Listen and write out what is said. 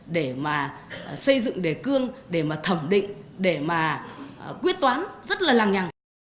để mà xây dựng đề cương để mà thẩm định để mà quyết toán rất là nhằng